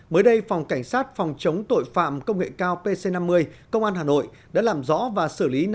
mới đây phòng cảnh sát phòng chống tội phạm công nghệ cao pc năm mươi công an hà nội đã làm rõ và xử lý